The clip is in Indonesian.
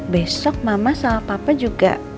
besok mama sama papa juga